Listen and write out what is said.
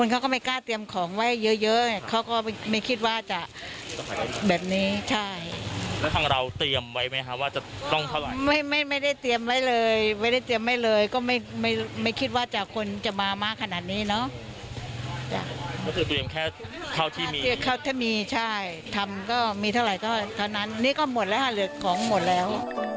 นี่ก็หมดแล้วค่ะเหลือของหมดแล้ว